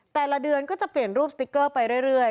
แต่ละเดือนก็จะเปลี่ยนรูปสติ๊กเกอร์ไปเรื่อย